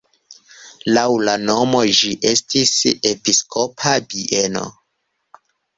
Laŭ la nomo ĝi estis episkopa bieno.